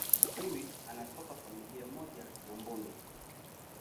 kiwi anatoka familia moja na mbuni